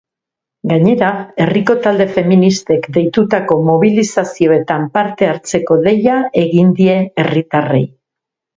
Gainera, herriko talde feministek deitutako mobilizazioetan parte hartzeko deia egin die herritarrei.